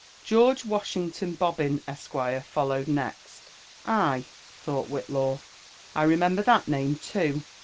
*• George Washington Bobbin, Esq." followed next. " Ay I" thought Whillaw, I remember that name too.